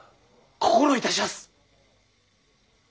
心いたしやす！